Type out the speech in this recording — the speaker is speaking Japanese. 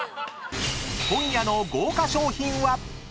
［今夜の豪華賞品は⁉］